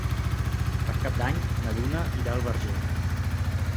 Per Cap d'Any na Duna irà al Verger.